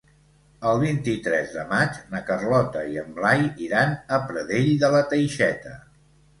El vint-i-tres de maig na Carlota i en Blai iran a Pradell de la Teixeta.